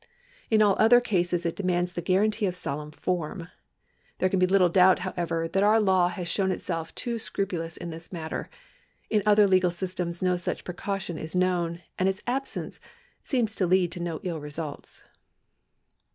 In all other cases it demands the guarantee of solemn form. There can be little doubt, however, that our law has shown itself too scrupulous in this matter ; in other legal systems no such precaution is known, and its absence seems to lead to no ill results.